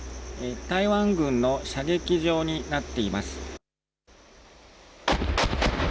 台湾軍の射撃場になっています。